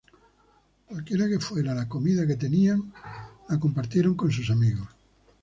Cualquiera que fuera la comida que tenían, la compartieron con sus amigos.